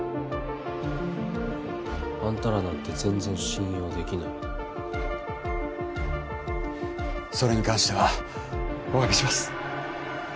あんたらなんて全然信用できないそれに関してはおわびします